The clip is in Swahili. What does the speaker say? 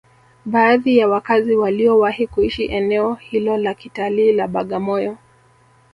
Baadhi ya wakazi waliowahi kuishi eneo hilo la kitalii la Bagamoyo